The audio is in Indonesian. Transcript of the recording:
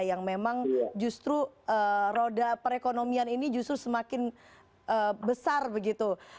yang memang justru roda perekonomian ini justru semakin besar begitu